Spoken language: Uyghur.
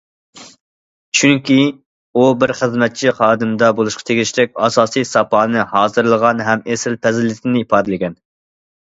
چۈنكى، ئۇ بىر خىزمەتچى خادىمدا بولۇشقا تېگىشلىك ئاساسىي ساپانى ھازىرلىغان ھەم ئېسىل پەزىلىتىنى ئىپادىلىگەن.